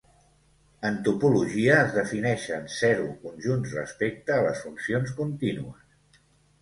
En topologia, es defineixen zero conjunts respecte a les funcions contínues.